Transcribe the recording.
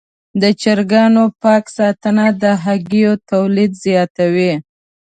د چرګانو پاک ساتنه د هګیو تولید زیاتوي.